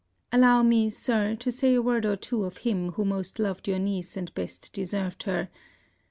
Allow me, Sir, to say a word or two of him who most loved your niece and best deserved her.